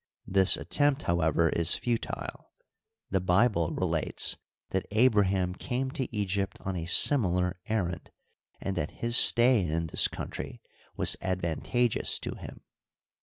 This attempt, however, is futile. The Bible relates that Abraham came to Egypt on a similar errand, and that his stay in this country was advantageous to him.